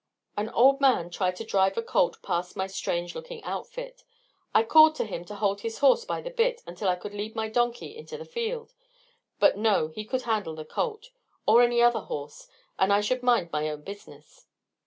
An old man tried to drive a colt past my strange looking outfit. I called to him to hold his horse by the bit until I could lead my donkey into the field. But no, he could handle the colt, or any other horse, and I should mind my own business.